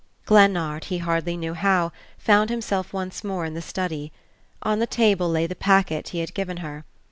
Glennard, he hardly knew how, found himself once more in the study. On the table lay the packet he had given her.